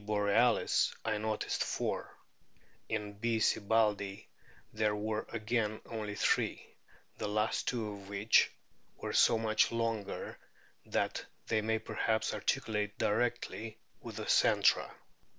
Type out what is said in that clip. borealis I noticed four ; in B. sibbaldii there were again only three, the last two of which were so much longer that they may perhaps articulate directly with the centra.